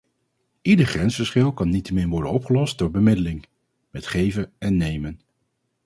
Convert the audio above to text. Ieder grensverschil kan niettemin worden opgelost door bemiddeling, met geven en nemen.